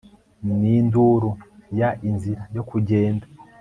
Ninduru ya Inzira yo kugenda